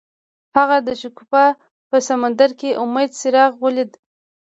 هغه د شګوفه په سمندر کې د امید څراغ ولید.